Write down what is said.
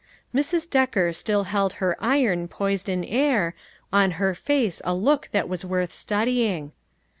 Mrs. Decker still held her iron poised in air, on her face a look that was worth studying.